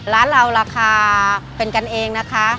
ร้านเราราคาเป็นกันเองนะคะ